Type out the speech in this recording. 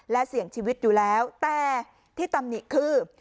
และเสี่ยงชีวิตอยู่แล้วแต่ที่ตำหนิคือ